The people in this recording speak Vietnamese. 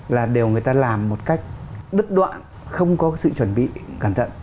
là đều người ta làm một cách đứt đoạn không có sự chuẩn bị cẩn thận